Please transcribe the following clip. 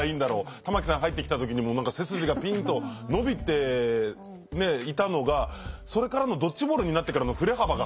玉木さん入ってきた時にも何か背筋がピンと伸びていたのがそれからのドッジボールになってからの振れ幅が半端なかったですね。